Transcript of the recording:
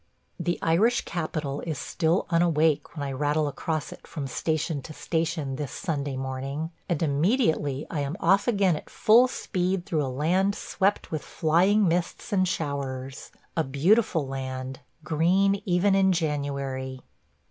The Irish capital is still unawake when I rattle across it from station to station this Sunday morning, and immediately I am off again at full speed through a land swept with flying mists and showers – a beautiful land, green even in January.